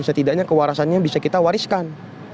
setidaknya kewarasannya bisa kita wariskan